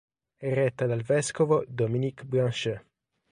È retta dal vescovo Dominique Blanchet.